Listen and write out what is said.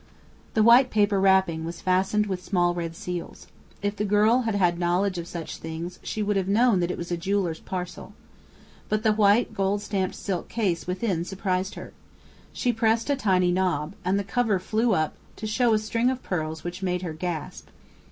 The white paper wrapping was fastened with small red seals. If the girl had had knowledge of such things she would have known that it was a jeweller's parcel. But the white, gold stamped silk case within surprised her. She pressed a tiny knob, and the cover flew up to show a string of pearls which made her gasp.